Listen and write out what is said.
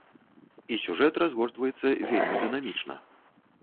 І сюжэт разгортваецца вельмі дынамічна.